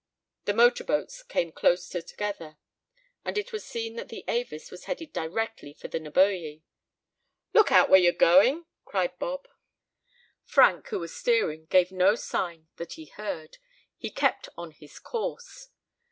The motor boats came closer together, and it was seen that the Avis was headed directly for the Neboje. "Look out where you're going!" cried Bob. Frank, who was steering, gave no sign that he heard. He kept on his course.